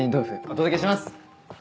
お届けします。